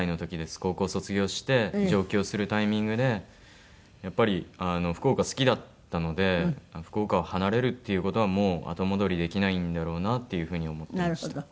高校卒業して上京するタイミングでやっぱり福岡好きだったので福岡を離れるっていう事はもう後戻りできないんだろうなっていう風に思っていました。